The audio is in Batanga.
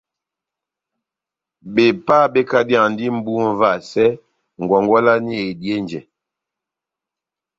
Bepá bekadiyandi mʼbu múvasɛ ngwangwalani eidihe njɛ.